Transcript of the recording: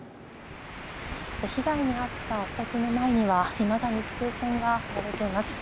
被害に遭ったお宅の前にはいまだに規制線がされています。